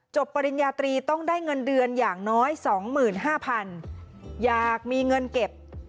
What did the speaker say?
ปริญญาตรีต้องได้เงินเดือนอย่างน้อย๒๕๐๐๐อยากมีเงินเก็บ